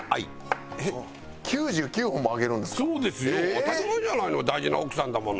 当たり前じゃないの大事な奥さんだもの。